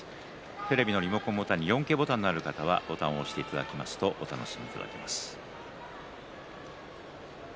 テレビのリモコンに４Ｋボタンがある方はボタンを押すとお楽しみいただけます。